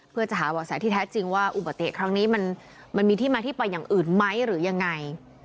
เพื่อจะหาบ่อแสที่แท้จริงว่าอุบัติเหตุครั้งนี้มันมีที่มาที่ไปอย่างอื่นไหมหรือยังไง